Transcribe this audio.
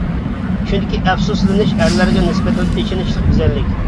چۈنكى ئەپسۇسلىنىش ئەرلەرگە نىسبەتەن ئېچىنىشلىق گۈزەللىك.